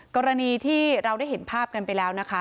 กรณีที่เราได้เห็นภาพกันไปแล้วนะคะ